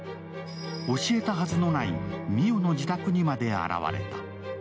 教えたはずのない澪の自宅にまで現れた。